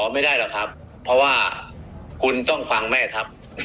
ไม่ได้หรอกครับเพราะว่าคุณต้องฟังแม่ทัพ